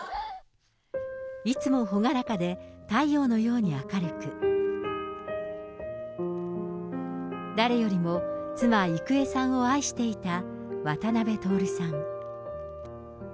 いつも朗らかで、太陽のように明るく、誰よりも妻、郁恵さんを愛していた渡辺徹さん。